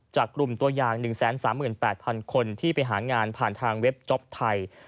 กลุ่มตัวอย่าง๑๓๘๐๐๐คนที่ไปหางานผ่านทางเว็บจ๊อปไทย